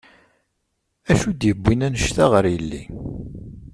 Acu d-yiwin anect-a ɣer yelli?